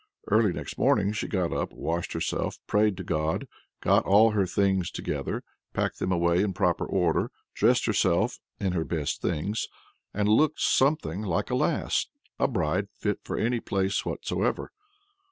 Early next morning she got up, washed herself, prayed to God, got all her things together, packed them away in proper order, dressed herself (in her best things), and looked something like a lass! a bride fit for any place whatsoever!